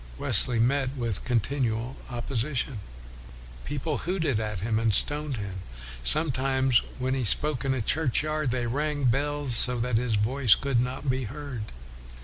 Wesley met with continual opposition. People hooted at him, and stoned him. Sometimes when he spoke in a churchyard, they rang the bells so that his voice could not be heard.